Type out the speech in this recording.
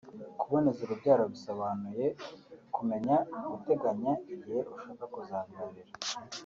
kuboneza urubyaro bisobanuye kumenya guteganya igihe ushaka kuzabyarira